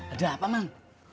ada apa man